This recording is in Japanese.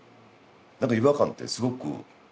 何か違和感ってすごく。